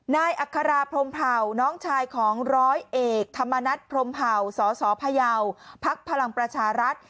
นายอัคาราพรมเผ่าน้องชายของ๑๐๐เอกธรรมนัฏพรมเผ่าสสพพพปรัชรัฐ